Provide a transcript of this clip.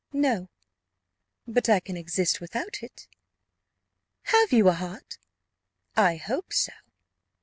"No; but I can exist without it." "Have you a heart?" "I hope so."